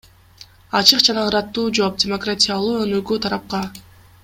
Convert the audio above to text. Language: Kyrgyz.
Ачык жана ыраттуу жооп – демократиялуу өнүгүү тарапка.